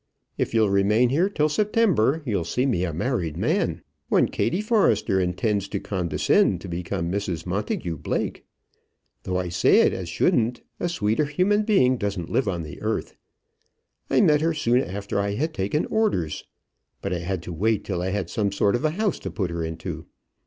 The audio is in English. If you'll remain here till September, you'll see me a married man. One Kattie Forrester intends to condescend to become Mrs Montagu Blake. Though I say it as shouldn't, a sweeter human being doesn't live on the earth. I met her soon after I had taken orders. But I had to wait till I had some sort of a house to put her into.